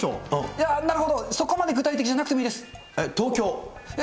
いや、なるほど、そこまで具体的じゃなくてもいいです。え？